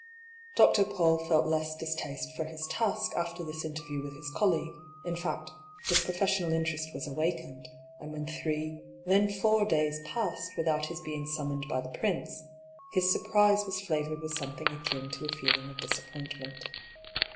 Dr. PauU felt less distaste for his task after this interview with his colleague : in fact, his professional interest was awakened ; and when three, then four days passed without his being summoned by the prince, his surprise was flavoured with something akin to a feeling of disappointment.